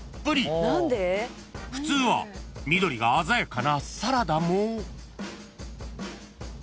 ［普通は緑が鮮やかなサラダも］